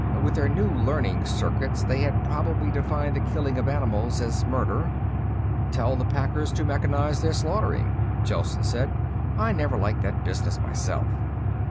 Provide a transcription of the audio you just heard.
With their new learning circuits, they had probably defined the killing of animals as murder. "Tell the packers to mechanize their slaughtering," Gelsen said. "I never liked that business myself."